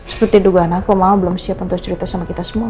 seperti dugaan aku mau belum siap untuk cerita sama kita semua